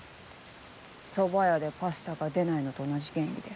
そば屋でパスタが出ないのと同じ原理で。